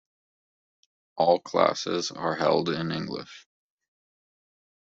All classes are held in English.